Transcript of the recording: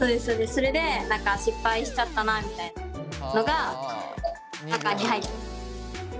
それで失敗しちゃったなみたいなのがここに入ってる。